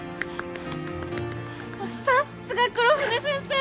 さっすが黒船先生！